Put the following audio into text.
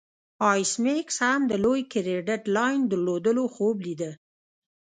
ایس میکس هم د لوی کریډیټ لاین درلودلو خوب لیده